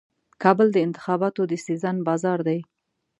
کابل د انتخاباتو د سیزن بازار دی.